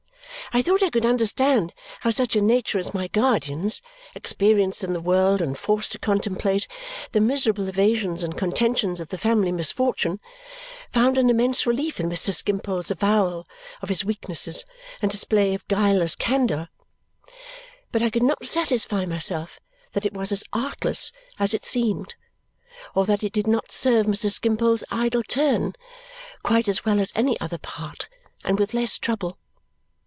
I thought I could understand how such a nature as my guardian's, experienced in the world and forced to contemplate the miserable evasions and contentions of the family misfortune, found an immense relief in Mr. Skimpole's avowal of his weaknesses and display of guileless candour; but I could not satisfy myself that it was as artless as it seemed or that it did not serve Mr. Skimpole's idle turn quite as well as any other part, and with less trouble.